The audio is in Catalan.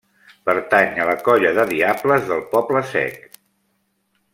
Pertany a la colla de Diables del Poble-Sec.